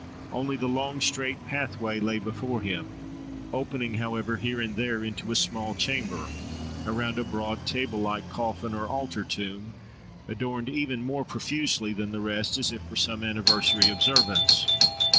Only the long straight pathway lay before him; opening, however, here and there, into a small chamber, around a broad, table like coffin or "altar tomb," adorned even more profusely than the rest as if for some anniversary observance.